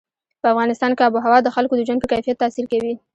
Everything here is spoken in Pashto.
په افغانستان کې آب وهوا د خلکو د ژوند په کیفیت تاثیر کوي.